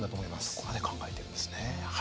そこまで考えてるんですね。